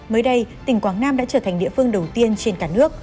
mới đây tỉnh quảng nam đã trở thành địa phương đầu tiên trên cả nước